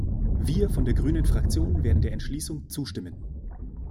Wir von der Grünen Fraktion werden der Entschließung zustimmen.